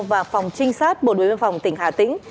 và phòng trinh sát bộ đội biên phòng tỉnh hà tĩnh